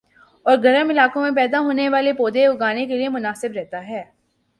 اور گرم علاقوں میں پیدا ہونے والے پودے اگانے کیلئے مناسب رہتا ہے